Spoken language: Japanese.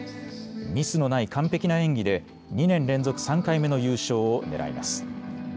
ミスのない完璧な演技で２年連続３回目の優勝を狙います。